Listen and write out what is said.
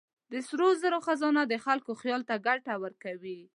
د سرو زرو خزانه د خلکو خیال ته ژوند ورکوي.